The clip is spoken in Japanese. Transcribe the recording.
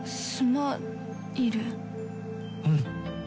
うん。